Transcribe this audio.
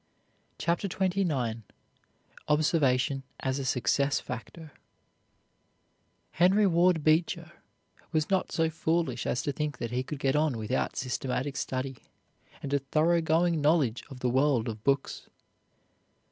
CHAPTER XXIX OBSERVATION AS A SUCCESS FACTOR Henry Ward Beecher was not so foolish as to think that he could get on without systematic study, and a thorough going knowledge of the world of books.